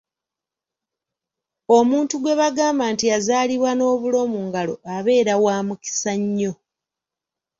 Omuntu gwe bagamba nti yazaalibwa n’obulo mu ngalo abeera wa mukisa nnyo.